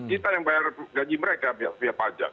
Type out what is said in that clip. kita yang bayar gaji mereka biaya pajak